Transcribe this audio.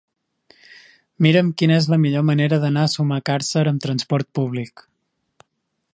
Mira'm quina és la millor manera d'anar a Sumacàrcer amb transport públic.